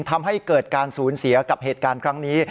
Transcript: ทำให้เกิดการสูญเสียกับเหตุการณ์ครั้งนี้